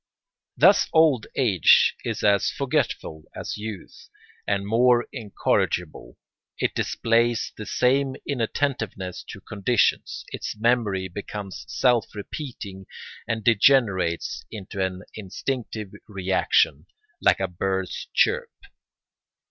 Thus old age is as forgetful as youth, and more incorrigible; it displays the same inattentiveness to conditions; its memory becomes self repeating and degenerates into an instinctive reaction, like a bird's chirp.